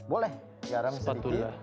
boleh garam sedikit